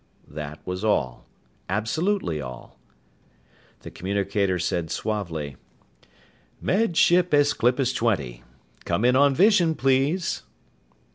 _" That was all. Absolutely all. The communicator said suavely: "Med Ship Aesclipus Twenty! Come in on vision, please!"